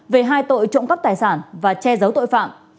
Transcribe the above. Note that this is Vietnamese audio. về hai tội trộm cắp tài sản và che giấu tội phạm